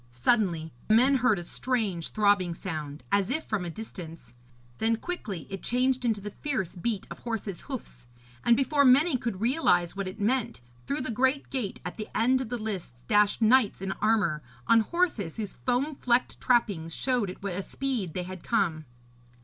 Suddenly men heard a strange throbbing sound, as if from a distance; then quickly it changed into the fierce beat of horses' hoofs; and before many could realise what it meant, through the great gate at the end of the lists dashed knights in armour, on horses whose foam flecked trappings showed at what a speed they had come.